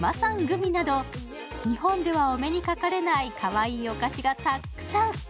グミなど日本ではお目にかかれないかわいいお菓子がたくさん。